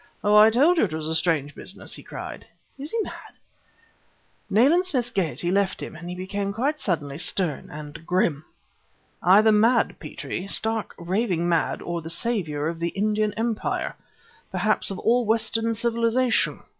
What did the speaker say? "Oh! I told you it was a strange business," he cried. "Is he mad?" Nayland Smith's gaiety left him; he became suddenly stern and grim. "Either mad, Petrie, stark raving mad, or the savior of the Indian Empire perhaps of all Western civilization.